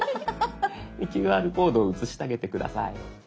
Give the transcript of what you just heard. ＱＲコードを写してあげて下さい。